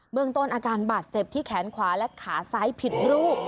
เมืองต้นอาการบาดเจ็บที่แขนขวาและขาซ้ายผิดรูป